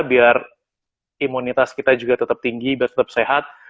biar imunitas kita juga tetap tinggi biar tetap sehat